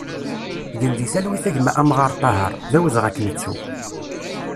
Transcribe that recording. Gen di talwit a gma Amɣar Tahar, d awezɣi ad k-nettu!